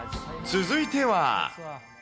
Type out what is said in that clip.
続いては。